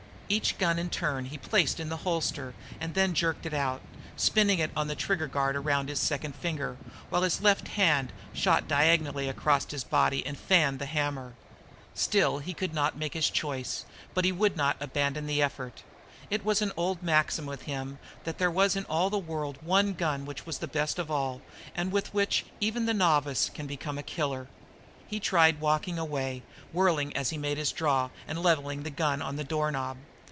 Each gun in turn he placed in the holster and then jerked it out, spinning it on the trigger guard around his second finger, while his left hand shot diagonally across his body and "fanned" the hammer. Still he could not make his choice, but he would not abandon the effort. It was an old maxim with him that there is in all the world one gun which is the best of all and with which even a novice can become a "killer." He tried walking away, whirling as he made his draw, and levelling the gun on the door knob.